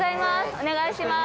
お願いします。